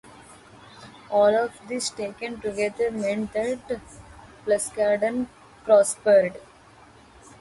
All of these taken together meant that Pluscarden prospered.